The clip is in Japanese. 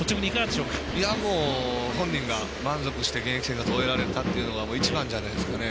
本人が満足して現役生活を終えられたというのが一番じゃないですかね。